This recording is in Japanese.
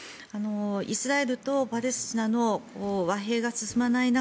イスラエルとパレスチナの和平が進まない中